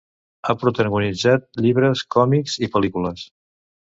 Ha protagonitzat llibres, còmics i pel·lícules.